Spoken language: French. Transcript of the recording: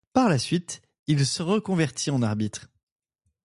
Par la suite, il se reconvertit en arbitre.